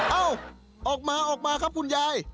เอ้าออกมาออกมาครับคุณยาย